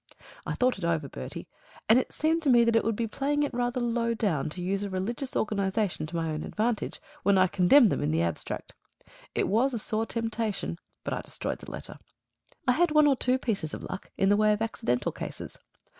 I thought it over, Bertie, and it seemed to me that it would be playing it rather low down to use a religious organisation to my own advantage, when I condemned them in the abstract. It was a sore temptation, but I destroyed the letter. I had one or two pieces of luck in the way of accidental cases.